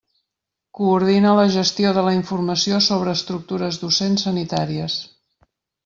Coordina la gestió de la informació sobre estructures docents sanitàries.